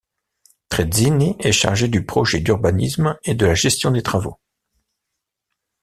Trezzini est chargé du projet d'urbanisme et de la gestion des travaux.